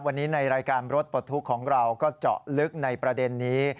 วันนี้ในรายการรถปลดทุกข์ของเราก็เจาะลึกในประเด็นนี้